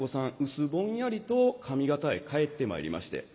薄ぼんやりと上方へ帰ってまいりまして。